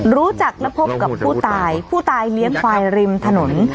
รู้จักและพบกับผู้ตายผู้ตายเลี้ยงควายริมถนน